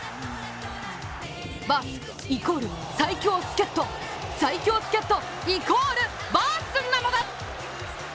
バースイコール最強助っ人、最強助っ人イコールバースなのだ！